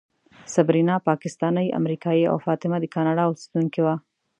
صبرینا پاکستانۍ امریکایۍ او فاطمه د کاناډا اوسېدونکې وه.